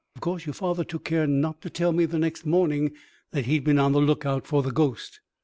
Of course your father took good care not to tell me the next morning that he'd been on the lookout for the ghost."